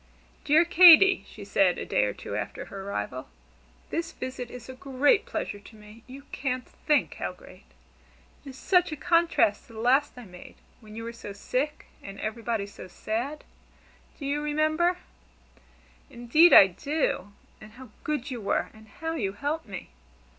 "Dear Katy," she said a day or two after her arrival, "this visit is a great pleasure to me you can't think how great. It is such a contrast to the last I made, when you were so sick, and everybody so sad. Do you remember?" "Indeed I do! And how good you were, and how you helped me!